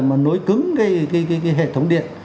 mà nối cứng cái hệ thống điện